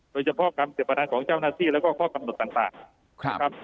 โดยเฉพาะกรรมเศรษฐภัณฑ์ของเจ้าหน้าที่แล้วก็ข้อกำหนดต่างครับ